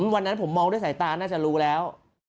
วันนั้นผมมองด้วยสายตาน่าจะรู้แล้ว